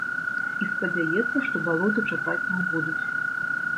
І спадзяецца, што балоты чапаць не будуць.